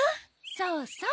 そうそう。